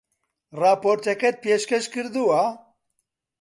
ڕاپۆرتەکەت پێشکەش کردووە؟